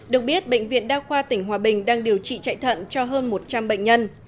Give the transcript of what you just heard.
được biết bệnh viện đa khoa tỉnh hòa bình đang điều trị chạy thận cho hơn một trăm linh bệnh nhân